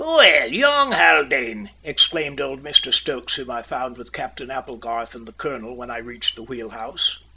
"Well, young Haldane!" exclaimed old Mr Stokes, whom I found with Captain Applegarth and the colonel when I reached the wheel house.